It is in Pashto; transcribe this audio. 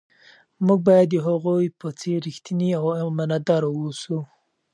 موږ باید د هغوی په څیر ریښتیني او امانتدار واوسو.